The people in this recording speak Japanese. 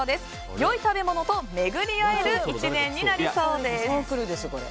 良い食べ物と巡り合える１年になりそうです。